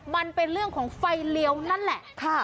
มันเป็นเรื่องของไฟเลี้ยวนั่นแหละ